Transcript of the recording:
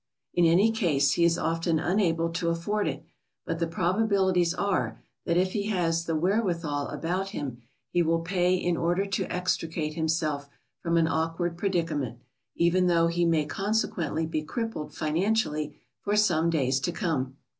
] In any case, he is often unable to afford it, but the probabilities are that if he has the wherewithal about him, he will pay in order to extricate himself from an awkward predicament, even though he may consequently be crippled financially for some days to come.